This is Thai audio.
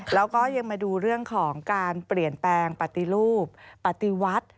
แล้วก็ยังมาดูเรื่องของการเปลี่ยนแปลงปฏิรูปปฏิวัติ